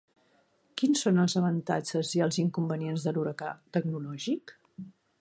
Quins són els avantatges i els inconvenients de l’huracà tecnològic?